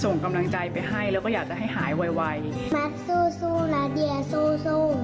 ส่งกำลังใจไปให้แล้วก็อยากจะให้หายไวแมทสู้สู้นะเดียสู้สู้